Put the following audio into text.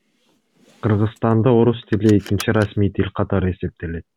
Кыргызстанда орус тили экинчи расмий тил катары эсептелет.